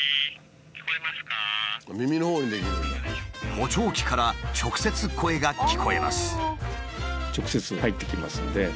補聴器から直接声が聞こえます。